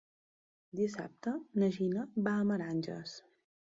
Dissabte na Gina va a Meranges.